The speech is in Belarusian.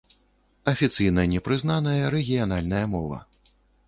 Афіцыйна не прызнаная рэгіянальная мова.